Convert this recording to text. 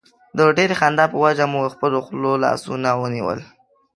د ډېرې خندا په وجه مو پر خپلو خولو لاسونه ونیول.